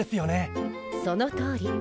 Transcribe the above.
そのとおり。